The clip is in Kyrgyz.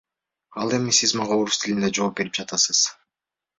Ал эми сиз мага орус тилинде жоопберип жатасыз.